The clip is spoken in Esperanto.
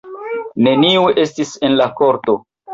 Neniu estis en la korto.